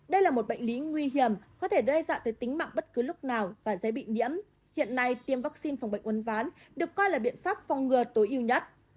đây là một bệnh lý nguy hiểm có thể đe dọa tới tính mạng bất cứ lúc nào và dễ bị nhiễm hiện nay tiêm vaccine phòng bệnh uốn ván được coi là biện pháp phòng ngừa tối ưu nhất